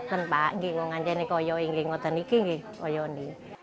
ini juga bayar